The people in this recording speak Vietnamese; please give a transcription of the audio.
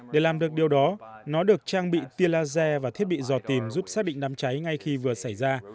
để làm được điều đó nó được trang bị tia laser và thiết bị dò tìm giúp xác định đám cháy ngay khi vừa xảy ra